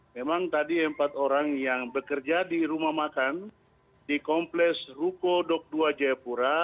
memang tadi empat orang yang bekerja di rumah makan di kompleks ruko dok dua jayapura